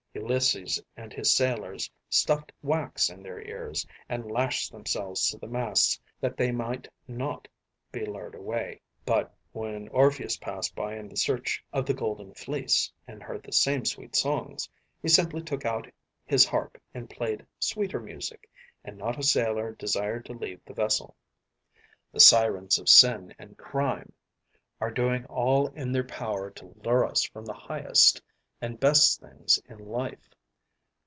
Ulysses and his sailors stuffed wax in their ears, and lashed themselves to the masts that they might not be lured away; but, when Orpheus passed by in the search of the golden fleece and heard the same sweet songs, he simply took out his harp and played sweeter music, and not a sailor desired to leave the vessel. The sirens of sin and crime are doing all in their power to lure us from the highest and best things in life.